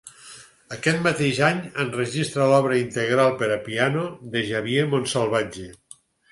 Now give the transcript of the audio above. Aquest mateix any enregistra l'obra integral per a piano de Xavier Montsalvatge.